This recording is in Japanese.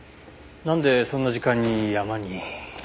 なんでそんな時間に山に。